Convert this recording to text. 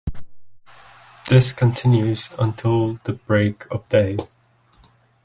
This continues until the break of day.